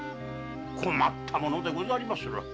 困ったものでござりまする。